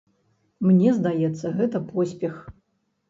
Мне здаецца, гэта поспех!